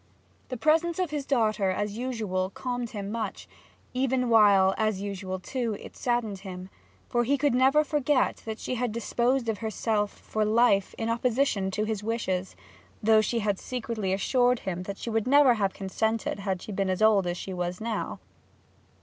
The presence of his daughter, as usual, calmed him much, even while, as usual too, it saddened him; for he could never forget that she had disposed of herself for life in opposition to his wishes, though she had secretly assured him that she would never have consented had she been as old as she was now.